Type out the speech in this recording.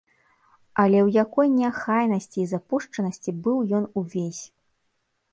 Але ў якой неахайнасці і запушчанасці быў ён увесь!